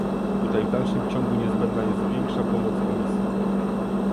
Tutaj w dalszym ciągu niezbędna jest większa pomoc Komisji